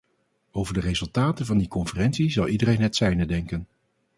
Over de resultaten van die conferentie zal iedereen het zijne denken.